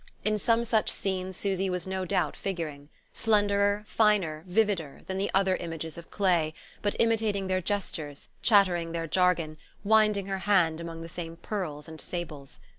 In some such scenes Susy was no doubt figuring: slenderer, finer, vivider, than the other images of clay, but imitating their gestures, chattering their jargon, winding her hand among the same pearls and sables.